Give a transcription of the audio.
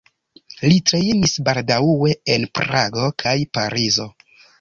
Li trejnis baldaŭe en Prago kaj Parizo.